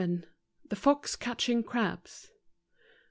The Fox catching Crabs